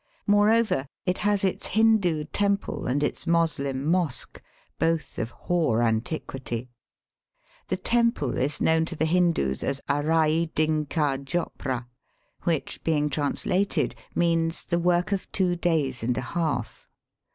Moreover, it has its Hindoo temple and its Moslem mosque, both of hoar antiquity. The temple is tnown to the Hindoos as Arai din ka jhopra, which, being translated, means ^*the work of two days and a half."